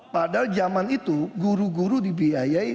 padahal zaman itu guru guru dibiayai